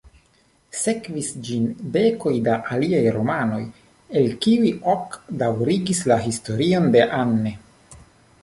Sekvis ĝin dekoj da aliaj romanoj, el kiuj ok daŭrigis la historion de Anne.